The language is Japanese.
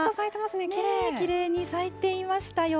ねぇ、きれいに咲いていましたよ。